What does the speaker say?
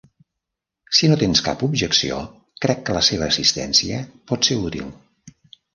Si no tens cap objecció, crec que la seva assistència pot ser útil.